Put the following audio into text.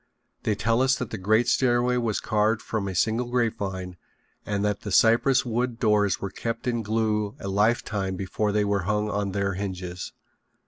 They tell us that the great stairway was carved from a single grapevine and that the cypress wood doors were kept in glue a lifetime before they were hung on their hinges.